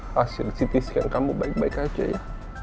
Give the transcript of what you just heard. hasil citiskan kamu baik baik aja ya